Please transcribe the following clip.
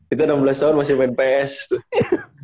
itu enam belas tahun masih main ps tuh